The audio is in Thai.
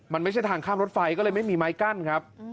มันไม่ใช่ทางข้ามรถไฟก็เลยไม่มีไม้กั้นครับ